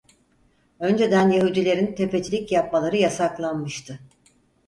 Önceden Yahudilerin tefecilik yapmaları yasaklanmıştı.